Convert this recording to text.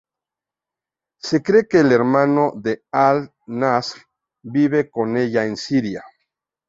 Se cree que el hermano de al-Nasr vive con ella en Siria.